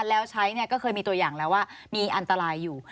แล้วใช้เนี่ยก็เคยมีตัวอย่างแล้วว่ามีอันตรายอยู่